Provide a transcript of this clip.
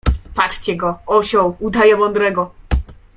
Patrzcie go: osioł, udaje mądrego.